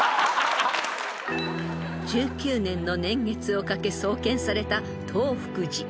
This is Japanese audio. ［１９年の年月をかけ創建された東福寺］